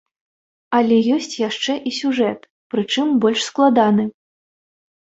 Але ёсць яшчэ і сюжэт, прычым больш складаны.